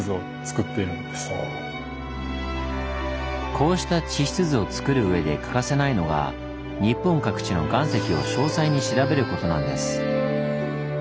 こうした地質図を作るうえで欠かせないのが日本各地の岩石を詳細に調べることなんです。